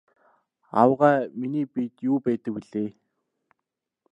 Авгай миний биед юу байдаг билээ?